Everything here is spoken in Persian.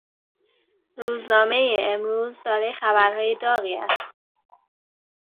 روزنامهٔ امروز دارای خبرهای داغی است.